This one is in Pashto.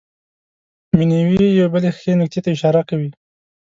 مینوي یوې بلې ښې نکتې ته اشاره کوي.